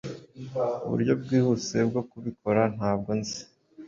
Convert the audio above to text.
uburyo bwihuse bwo kubikora ntabwo nzi